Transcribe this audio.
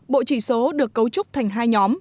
bộ chỉ số được cấu trúc thành hai nhóm